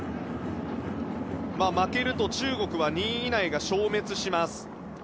負けると中国は２位以内が消滅します。